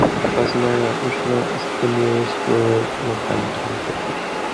Krasnaya Ushna is the nearest rural locality.